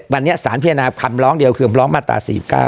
วันนี้สารพิจารณาคำร้องเดียวคือคำร้องมาตรา๔๙